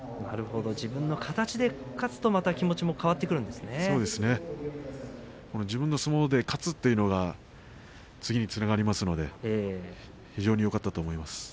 なるほど、自分の形で勝つと気持ちもそうですね自分の相撲で勝つというのが次につながりますので非常によかったと思います。